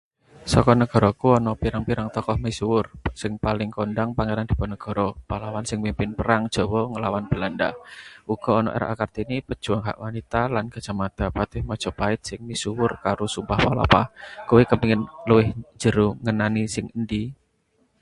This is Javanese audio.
Saka negaraku ana pirang-pirang tokoh misuwur. Sing paling kondhang Pangeran Diponegoro, pahlawan sing mimpin Perang Jawa nglawan Belanda. Uga ana R.A. Kartini, pejuang hak wanita, lan Gajah Mada, patih Majapahit sing misuwur karo Sumpah Palapa. Kowe kepengin luwih jero ngenani sing endi?